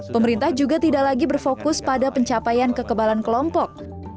pemerintah juga tidak lagi berfokus pada pencapaian kekebalan kelompok